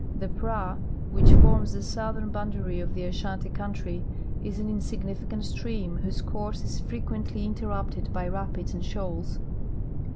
The Prab, which forms the southern boundary of the Ashanti countr}^ is an in significant stream whose course is frequently interrupted by rapids and shoals.